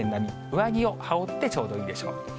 上着を羽織ってちょうどいいでしょう。